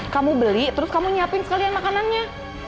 kamu beli terus kamu nyiapin sekalian makanannya